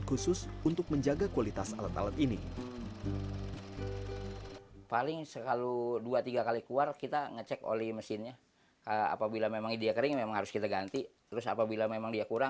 istilahnya kita menggulungi pelem